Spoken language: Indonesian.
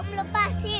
om lepasin om